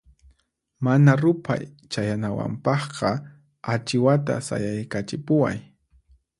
Mana ruphay chayanawanpaqqa achiwata sayaykachipuway.